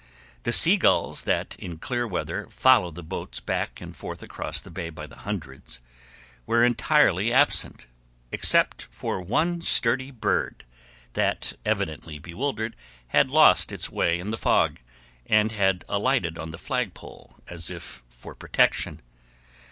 The sea gulls that in clear weather follow the boats back and forth across the bay by the hundreds, were entirely absent, except for one sturdy bird that, evidently bewildered, had lost its way in the fog, and had alighted on the flagpole as if for protection.